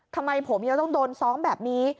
ทำไมผมยังต้องโดนซ้อมแบบนี้